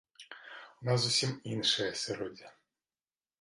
У нас зусім іншае асяроддзе.